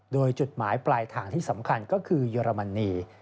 โดยจุดหมายปลายทางที่สำคัญก็คือเยอรมนี